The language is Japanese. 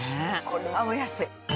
これはお安い。